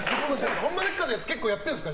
「ホンマでっか！？」のやつ結構やってるんですか。